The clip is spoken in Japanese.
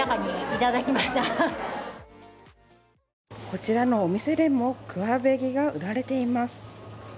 こちらのお店でもクァベギが売られています。